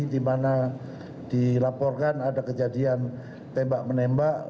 di mana dilaporkan ada kejadian tembak menembak